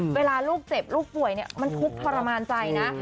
เวลาลูกเจ็บลูกป่วยเนี่ยมันทุกข์ทรมานใจนะ